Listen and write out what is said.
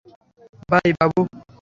By, Babu.